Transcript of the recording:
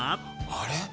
あれ？